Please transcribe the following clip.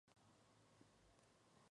Utrera hasta llegar a edad juvenil.